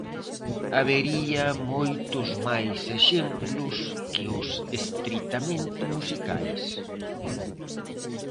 Habería moitos máis exemplos que os estritamente musicais.